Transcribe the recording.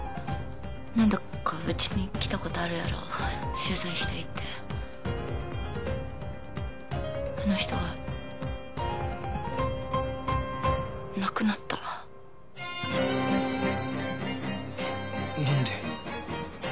何度かうちに来たことあるやろ取材したいってあの人が亡くなった何で？